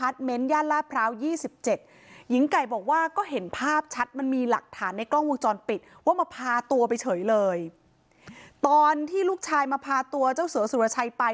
ตอนที่ลูกชายมาพาตัวเจ้าสัวสุรชัยไป